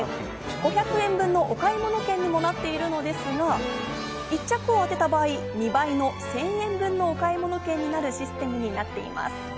５００円分のお買い物券にもなっているのですが、１着を当てた場合、２倍の１０００円分のお買い物券になるシステムになっています。